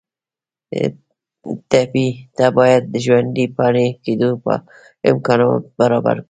ټپي ته باید د ژوندي پاتې کېدو امکانات برابر کړو.